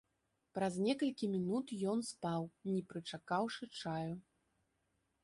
Праз некалькі мінут ён спаў, не прычакаўшы чаю.